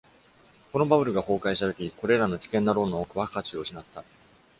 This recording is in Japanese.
このバブルが崩壊したとき、これらの危険なローンの多くは価値を失った。